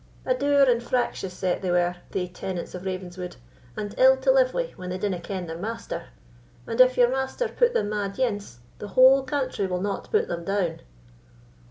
A dour and fractious set they were, thae tenants of Ravenswood, and ill to live wi' when they dinna ken their master; and if your master put them mad ance, the whole country will not put them down."